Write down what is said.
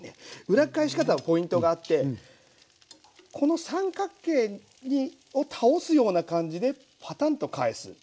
裏返し方のポイントがあってこの三角形を倒すような感じでパタンと返す。